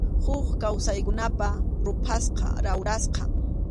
Huk kawsaykunapa ruphasqan, rawrasqan.